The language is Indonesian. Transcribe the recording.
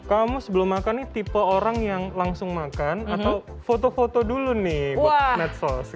kamu sebelum makan nih tipe orang yang langsung makan atau foto foto dulu nih buat medsos